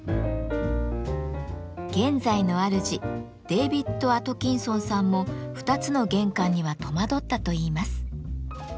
現在のあるじデービッド・アトキンソンさんも２つの玄関には戸惑ったといいます。